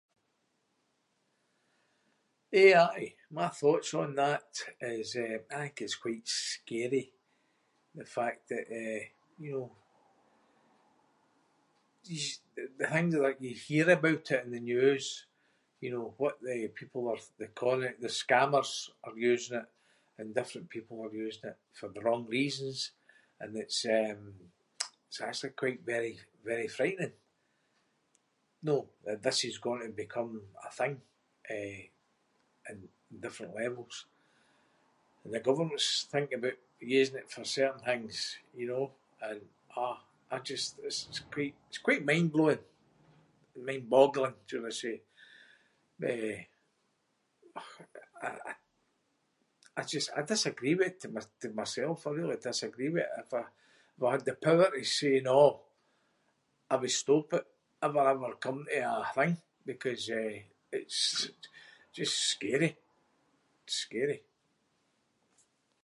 AI? My thoughts on that is, eh, I think it’s quite scary the fact that, eh, you know, j- the things that you hear about it in the news, you know, what the people are the conning- the scammers are using it and different people are using it for the wrong reasons and it’s, um, it’s actually quite very- very frightening, know, that this is going to become a thing, eh, on different levels. And the government's thinking aboot using it for certain things, you know? And, ah, I just- it’s quite- it’s quite mind-blowing- mind-boggling, should I say. Eh, och I- I just- I disagree with it to my- to myself. I really disagree with it. If I- if I had the power to say naw, I would stop it if it ever come to a thing because, eh, it’s just scary. Scary.